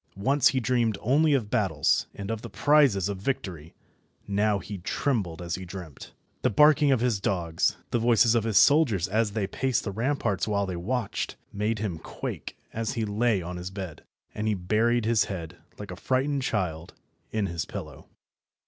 Once he dreamed only of battles, and of the prizes of victory, now he trembled as he dreamt. The barking of his dogs, the voices of his soldiers as they paced the ramparts while they watched, made him quake as he lay on his bed, and he buried his head, like a frightened child, in his pillow.